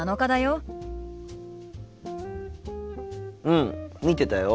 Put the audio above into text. うん見てたよ。